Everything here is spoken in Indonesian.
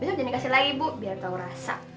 besok jania kasih lagi ibu biar tau rasa